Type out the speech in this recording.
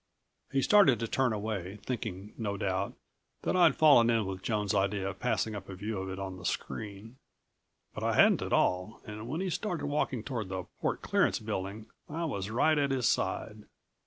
He started to turn away, thinking, no doubt, that I'd fallen in with Joan's idea of passing up a view of it on the screen. But I hadn't at all and when he started walking toward the port clearance building I was right at his side.